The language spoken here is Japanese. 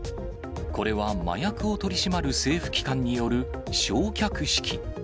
これは麻薬を取り締まる政府機関による焼却式。